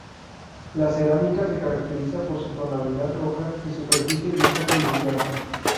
La cerámica se caracteriza por su tonalidad rojiza y superficie lisa y brillante.